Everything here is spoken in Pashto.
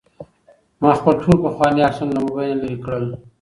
ما خپل ټول پخواني عکسونه له موبایل نه لرې کړل.